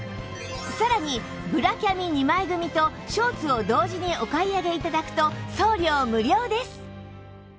さらにブラキャミ２枚組とショーツを同時にお買い上げ頂くと送料無料です